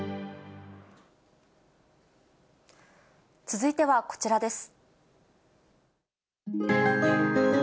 続いてはこちらです。